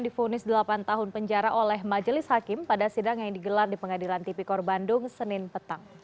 difonis delapan tahun penjara oleh majelis hakim pada sidang yang digelar di pengadilan tipikor bandung senin petang